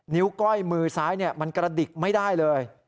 นิ้วก้อยมือซ้ายเนี่ยมันกระดิกไม่ได้เลย